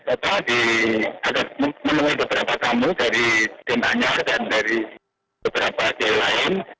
agak menunggu beberapa tamu dari jenazah dan dari beberapa jelain